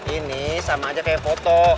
ini sama aja kayak foto